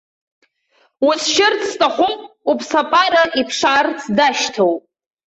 Узшьырц зҭаху уԥс апара иԥшаарц дашьҭоуп.